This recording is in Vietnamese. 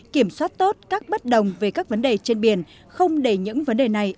kiểm soát tốt các bất đồng về các vấn đề trên biển không để những vấn đề này